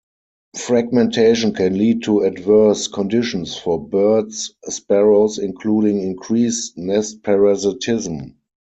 Fragmentation can lead to adverse conditions for Baird's sparrows, including increased nest parasitism.